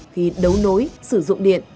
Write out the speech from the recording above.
khi đấu nối sử dụng điện